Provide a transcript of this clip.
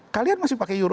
kalian masih pakai euro dua